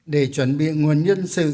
để chuẩn bị nguồn nhân sự